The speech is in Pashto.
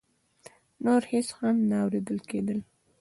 نور هېڅ هم نه اورېدل کېدل.